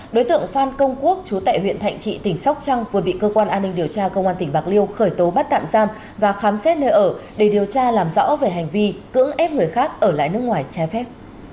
đối tượng phan công quốc chú tại huyện thạnh trị tỉnh sóc trăng vừa bị cơ quan an ninh điều tra công an tỉnh bạc liêu khởi tố bắt tạm giam và khám xét nơi ở để điều tra làm rõ về hành vi cưỡng ép người khác ở lại nước ngoài trái phép